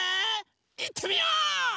いってみよう！